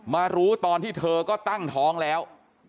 มารู้ตอนที่เธอก็ตั้งท้องแล้ว